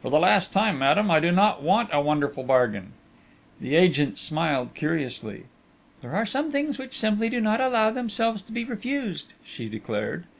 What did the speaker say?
"For the last time, madame, I do not want a wonderful bargain!" The agent smiled curiously. "There are some things which simply do not allow themselves to be refused," she declared....